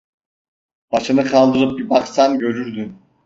Başını kaldırıp bi baksan görürdün?